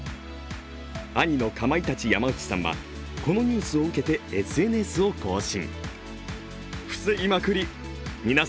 兄のかまいたち・山内さんはこのニュースを受けてＳＮＳを更新。